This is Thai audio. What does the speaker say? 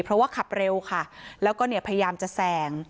เพราะว่าขับเร็วค่ะแล้วก็เนี่ยพยายามจะแซง